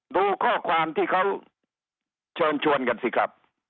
ดูข้อความที่เขาเชิญชวนกันสิครับ